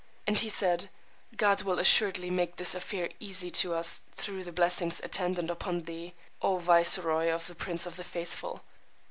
And he said, God will assuredly make this affair easy to us through the blessing attendant upon thee, O Viceroy of the Prince of the Faithful.